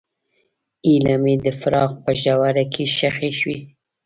هیلې مې د فراق په ژوره کې ښخې شوې.